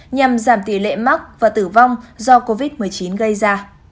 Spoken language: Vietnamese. nhằm giảm tỷ lệ mắc và tử vong do covid một mươi chín gây ra